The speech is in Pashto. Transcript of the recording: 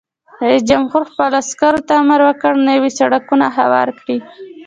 رئیس جمهور خپلو عسکرو ته امر وکړ؛ نوي سړکونه هوار کړئ!